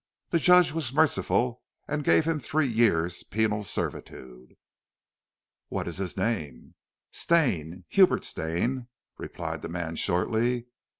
The judge was merciful and gave him three years' penal servitude." "What is his name?" "Stane Hubert Stane!" replied the man shortly.